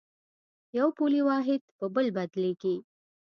یو پولي واحد په بل بدلېږي.